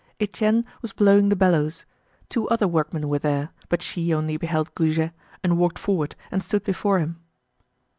Etienne was blowing the bellows. Two other workmen were there, but she only beheld Goujet and walked forward and stood before him.